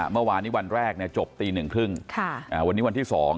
เมื่อวานนี้วันแรกเนี่ยจบตีหนึ่งครึ่งค่ะอ่าวันนี้วันที่สอง